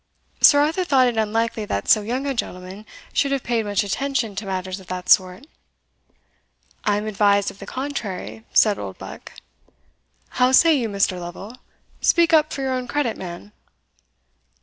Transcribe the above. Sir Arthur thought it unlikely that so young a gentleman should have paid much attention to matters of that sort. "I am avised of the contrary," said Oldbuck. "How say you, Mr. Lovel? speak up for your own credit, man."